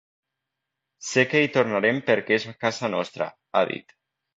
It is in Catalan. Sé que hi tornarem perquè és casa nostra, ha dit.